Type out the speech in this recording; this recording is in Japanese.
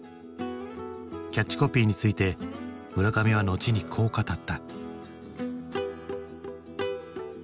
キャッチコピーについて村上は後にこう語った。